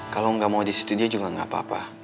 kalo ga mau di studio juga gapapa